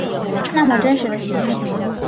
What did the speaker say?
那么真实的情景